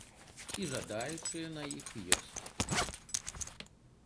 І жадаючыя на іх ёсць.